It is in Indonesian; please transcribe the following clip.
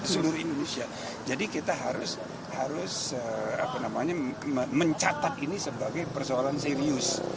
seluruh indonesia jadi kita harus mencatat ini sebagai persoalan serius